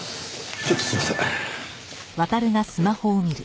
ちょっとすいません。